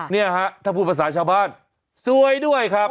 เนี่ยฮะถ้าพูดภาษาชาวบ้านสวยด้วยครับ